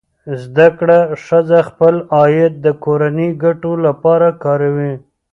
زده کړه ښځه خپل عاید د کورنۍ ګټو لپاره کاروي.